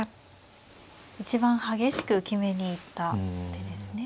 一番激しく決めに行った手ですね。